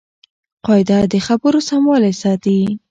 قاعده د خبرو سموالی ساتي.